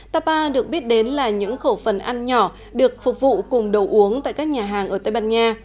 tapa được biết đến là những khẩu phần ăn nhỏ được phục vụ cùng đồ uống tại các nhà hàng ở tây ban nha